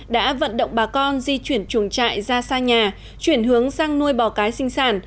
đã vận động bà con di chuyển chuồng trại ra xa nhà chuyển hướng sang nuôi bò cái sinh sản